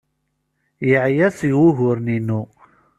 Yeɛya seg wuguren-inu.